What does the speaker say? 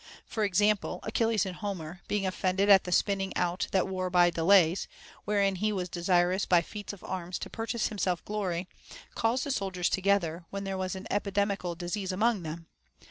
For ex ample, Achilles in Homer, being offended at the spinning out that war by delays, wherein he was desirous by feats of arms to purchase to himself glory, calls the soldiers to gether when there was an epidemical disease among them.